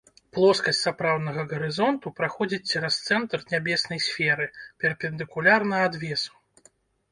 Плоскасць сапраўднага гарызонту праходзіць цераз цэнтр нябеснай сферы перпендыкулярна адвесу.